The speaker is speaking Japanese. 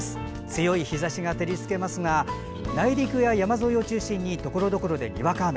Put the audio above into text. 強い日ざしが照り付けますが内陸や山沿いを中心にところどころで、にわか雨。